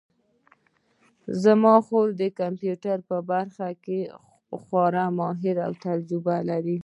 زما خور د کمپیوټر په برخه کې خورا ماهره او تجربه لري